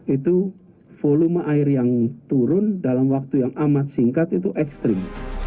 itu volume air yang turun dalam waktu yang amat singkat itu ekstrim